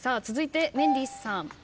続いてメンディーさん。